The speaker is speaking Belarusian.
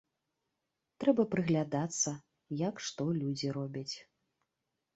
Трэба прыглядацца, як што людзі робяць.